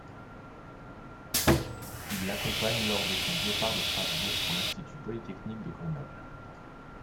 Il l'accompagne lors de son départ de Strasbourg pour l'Institut polytechnique de Grenoble.